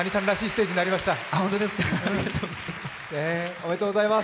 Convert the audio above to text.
ありがとうございます。